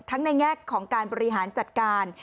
ในแง่ของการบริหารจัดการ